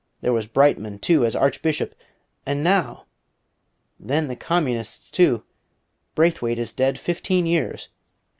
There was Brightman, too, as Archbishop: and now! Then the Communists, too. Braithwaite is dead fifteen years.